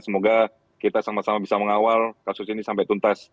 semoga kita sama sama bisa mengawal kasus ini sampai tuntas